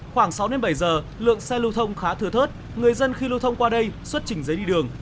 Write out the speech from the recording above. khoảng sáu đến bảy giờ lượng xe lưu thông khá thừa thớt người dân khi lưu thông qua đây xuất trình giấy đi đường